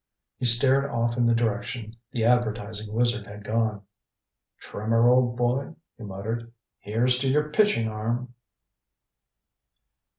He stared off in the direction the advertising wizard had gone. "Trimmer, old boy," he muttered, "here's to your pitching arm!"